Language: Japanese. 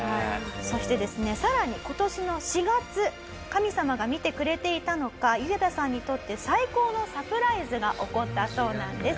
そしてですねさらに今年の４月神様が見てくれていたのかユゲタさんにとって最高のサプライズが起こったそうなんです。